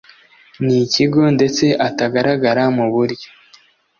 n ikigo ndetse atagaragara mu buryo